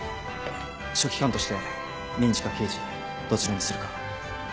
書記官として民事か刑事どちらにするか。